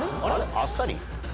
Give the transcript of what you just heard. あっさり？